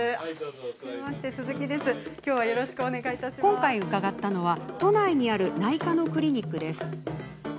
今回、伺ったのは都内にある内科のクリニックです。